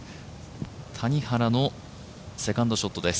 谷原のセカンドショットです。